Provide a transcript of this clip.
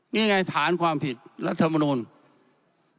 นี่ไงฐานความผิดรัฐมนุน